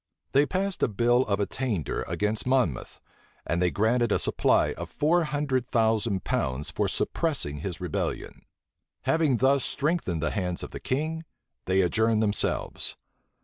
They passed a bill of attainder against Monmouth; and they granted a supply of four hundred thousand pounds for suppressing his rebellion. Having thus strengthened the hands of the king, they adjourned themselves.